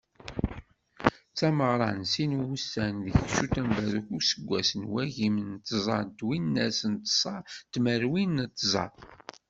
D tameɣra n sin n wussan deg cutember deg useggas n wagim d tẓa twinas d ṣa tmerwin d tẓa.